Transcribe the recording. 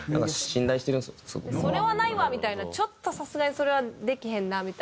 それはないわみたいなちょっとさすがにそれはできへんなみたいな。